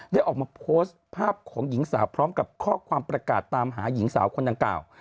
ได้ออกมาโพสต์ภาพของหญิงสาวพร้อมกับข้อความประกาศตามหาหญิงสาวคนดังกล่าว